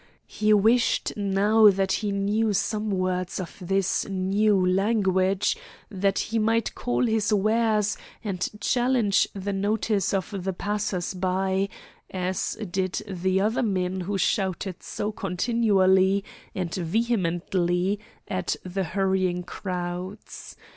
He wished now that he knew some words of this new language, that he might call his wares and challenge the notice of the passers by, as did the other men who shouted so continually and vehemently at the hurrying crowds.